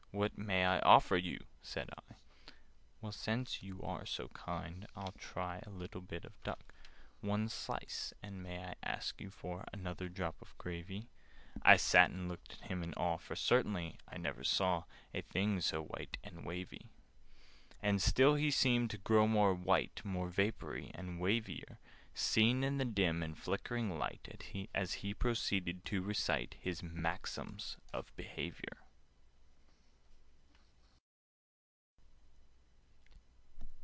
"What may I offer you?" said I. "Well, since you are so kind, I'll try A little bit of duck. "One slice! And may I ask you for Another drop of gravy?" I sat and looked at him in awe, For certainly I never saw A thing so white and wavy. And still he seemed to grow more white, More vapoury, and wavier— Seen in the dim and flickering light, As he proceeded to recite His "Maxims of Behaviour."